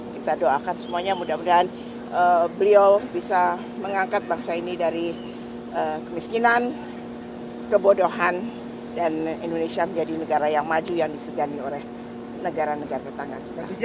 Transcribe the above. kita doakan semuanya mudah mudahan beliau bisa mengangkat bangsa ini dari kemiskinan kebodohan dan indonesia menjadi negara yang maju yang disegani oleh negara negara tetangga